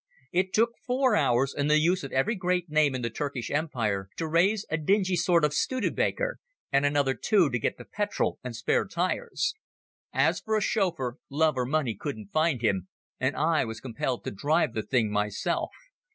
It took four hours, and the use of every great name in the Turkish Empire, to raise a dingy sort of Studebaker, and another two to get the petrol and spare tyres. As for a chauffeur, love or money couldn't find him, and I was compelled to drive the thing myself.